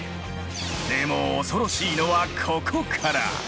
でも恐ろしいのはここから。